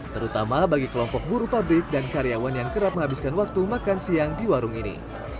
terutama bagi kelompok buruh pabrik dan karyawan yang kerap menghabiskan waktu makan siang di warung ini